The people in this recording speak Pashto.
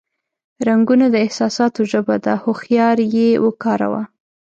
رنگونه د احساساتو ژبه ده، هوښیار یې وکاروه.